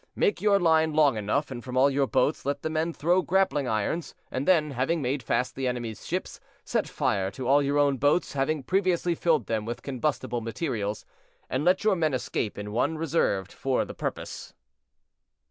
Make your line long enough, and from all your boats let the men throw grappling irons; and then, having made fast the enemy's ships, set fire to all your own boats, having previously filled them with combustible materials, and let your men escape in one reserved for the purpose."